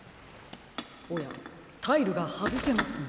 おやタイルがはずせますね。